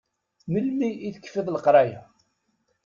Melmi i tekfiḍ leqraya?